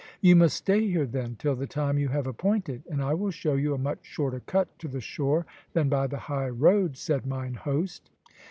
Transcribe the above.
"You must stay here, then, till the time you have appointed, and I will show you a much shorter cut to the shore than by the high road," said mine host.